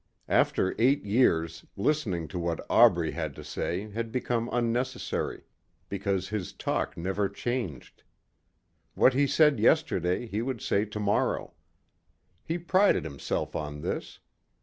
After eight years, listening to what Aubrey had to say had become unnecessary. Because his talk never changed. What he said yesterday he would say tomorrow. He prided himself on this.